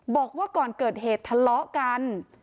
บอกว่าก่อนเกิดเหตุทะเลาะกัน